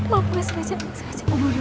maaf ya sgajak sgajak